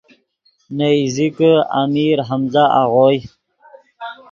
نے ایزیکے امیر حمزہ آغوئے